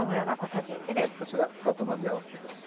こちらサッと混ぜ合わせてください。